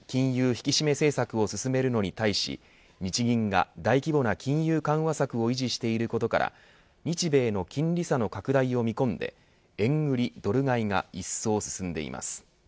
引き締め政策を進めるのに対し日銀が大規模な金融緩和策を維持していることから日米の金利差の拡大を見込んで円売りドル買いが一層進んでいます。